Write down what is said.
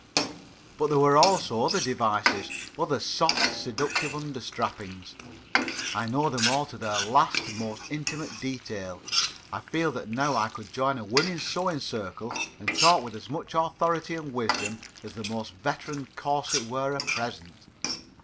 But there were also other devices, other soft, seductive under strappings. I know them all to their last most intimate detail. I feel that now I could join a woman's sewing circle and talk with as much authority and wisdom as the most veteraned corset wearer present.